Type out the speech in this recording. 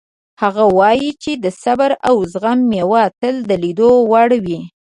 هغه وایي چې د صبر او زغم میوه تل د لیدو وړ وي